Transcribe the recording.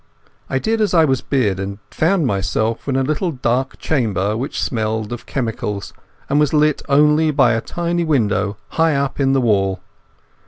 I did as I was bid, and found myself in a little dark chamber which smelt of chemicals, and was lit only by a tiny window high up in the wall.